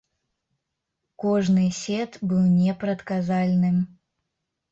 Кожны сет быў непрадказальным.